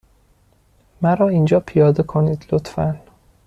مرا اینجا پیاده کنید، لطفا.